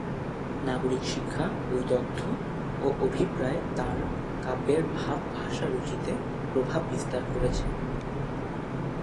নাগরিক শিক্ষা, বৈদগ্ধ্য ও অভিপ্রায় তাঁর কাব্যের ভাব-ভাষা-রুচিতে প্রভাব বিস্তার করেছে।